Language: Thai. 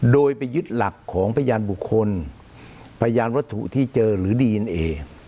โดยไปยึดหลักของพยานบุคคลพยานวัตถุที่เจอหรือดีเอ็นเอ